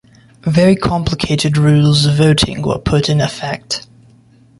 Very complicated rules of voting were put in effect.